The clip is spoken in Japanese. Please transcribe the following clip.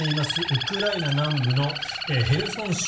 ウクライナ南部のヘルソン州